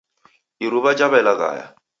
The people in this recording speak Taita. Iruw'a jaw'elaghaya.